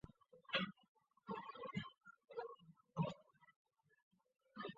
乾隆五十九年卒。